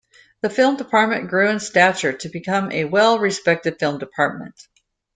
The Film Department grew in stature to become a well-respected film department.